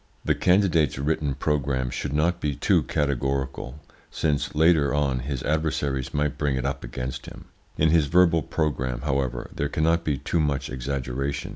The candidate's written programme should not be too categorical, since later on his adversaries might bring it up against him; in his verbal programme, however, there cannot be too much exaggeration.